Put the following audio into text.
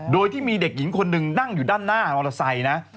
โดยที่มีเด็กหญิงคนหนึ่งนั่งอยู่ด้านหน้ามอเตอร์ไซค์นะ